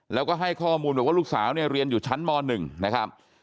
แล้วก็ให้ข้อมูลบอกว่าลูกสาวเนี่ยเรียนอยู่ชั้นม๑นะครับ